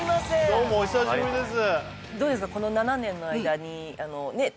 どうもお久しぶりです